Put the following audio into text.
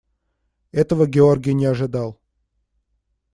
Этого Георгий не ожидал.